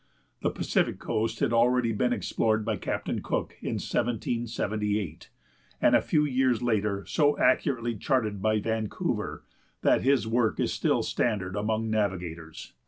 The Pacific Coast had already been explored by Captain Cook in 1778, and a few years later so accurately charted by Vancouver, that his work is still standard among navigators.